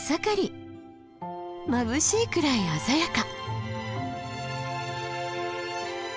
まぶしいくらい鮮やか。